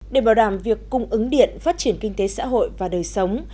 để bảo đảm việc cung ứng điện phát triển kinh tế xã hội và đời sống